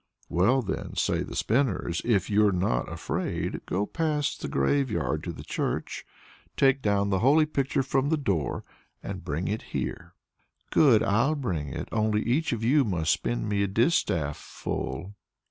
"Well then," say the spinners, "if you're not afraid, go past the graveyard to the church, take down the holy picture from the door, and bring it here." "Good, I'll bring it; only each of you must spin me a distaff ful."